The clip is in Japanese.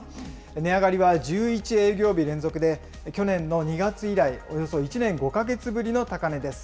値上がりは１１営業日連続で、去年の２月以来およそ１年５か月ぶりの高値です。